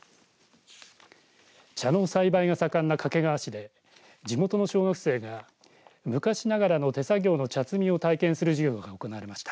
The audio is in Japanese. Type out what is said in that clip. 茶の栽培が盛んな掛川市で地元の小学生が昔ながらの手作業の茶摘みを体験する授業が行われました。